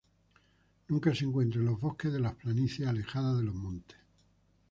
Nunca se encuentra en los bosques de las planicies alejadas de los montes.